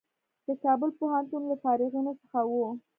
د کابل پوهنتون له فارغینو څخه و.